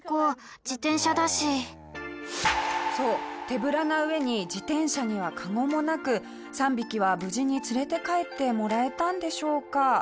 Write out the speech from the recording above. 手ぶらなうえに自転車にはカゴもなく３匹は無事に連れて帰ってもらえたんでしょうか？